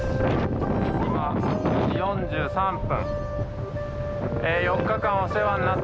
今４３分。